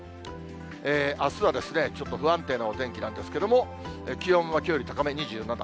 あすはですね、ちょっと不安定なお天気なんですけども、気温はきょうより高め、２７度。